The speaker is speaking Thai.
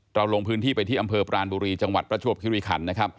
ลงพื้นที่ไปที่อำเภอปรานบุรีจังหวัดประจวบคิริขันนะครับ